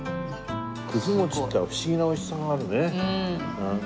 くず餅ってのは不思議な美味しさがあるね。